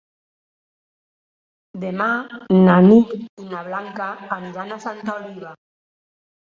Demà na Nit i na Blanca aniran a Santa Oliva.